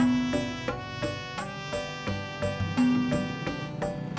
ini tunggu nih